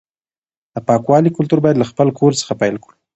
د پاکوالي کلتور باید له خپل کور څخه پیل کړو.